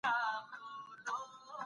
پوه سړي د علم او حکمت لمن نيولي وه.